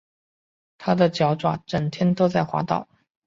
他的脚爪整天都在滑倒